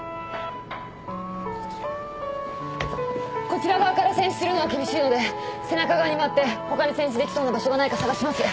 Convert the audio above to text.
こちら側から穿刺するのは厳しいので背中側に回って他に穿刺できそうな場所がないか探します。